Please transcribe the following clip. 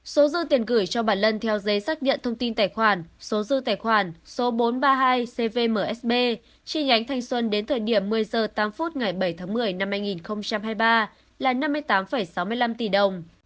số dư tiền gửi cho bà lân theo giấy xác nhận thông tin tài khoản số dư tài khoản số bốn trăm ba mươi hai cvmsb chi nhánh thanh xuân đến thời điểm một mươi h tám ngày bảy tháng một mươi năm hai nghìn hai mươi ba là năm mươi tám sáu mươi năm tỷ đồng